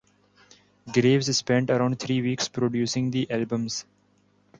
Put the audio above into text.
Graves spent around three weeks producing the albums.